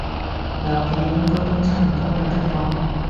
有嘅，應該都差唔多有得放